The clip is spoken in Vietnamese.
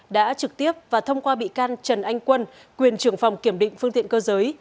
đã trực tiếp và thông qua bị can trần anh quân quyền trưởng phòng kiểm định phương tiện cơ giới